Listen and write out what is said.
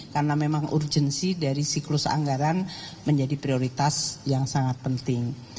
karena memang urgensi dari siklus anggaran menjadi prioritas yang sangat penting